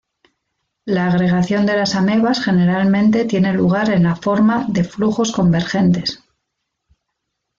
La agregación de las amebas generalmente tiene lugar en la forma de flujos convergentes.